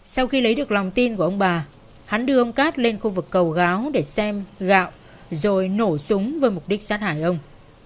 sau khi lấy được lòng tin của ông bà hắn đưa ông cát lên khu vực cầu gáo để xem gạo rồi nổ súng với mục đích sát hải ông